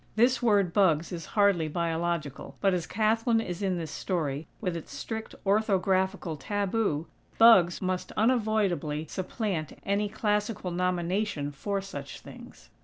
(This word, "bugs," is hardly Biological; but as Kathlyn is in this story, with its strict orthographical taboo, "bugs" must unavoidably supplant any classical nomination for such things.)